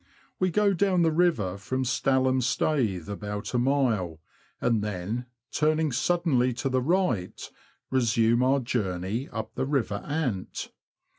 We go down the river from Stalham Staithe about a mile, and then, turning suddenly to the right, resume our journey up the river Ant.